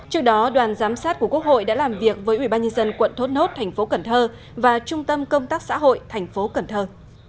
trước đó đoàn giám sát của quốc hội đã làm việc với ủy ban nhân dân quận thốt nốt thành phố cần thơ và trung tâm công tác xã hội thành phố cần thơ